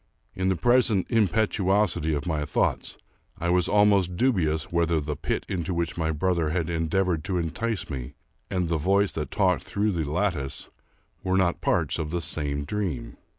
In the present impetuosity of my thoughts, I was almost dubious whether the pit into which my brother had en deavored to entice me, and the voice that talked through the lattice, were not parts of the same dream.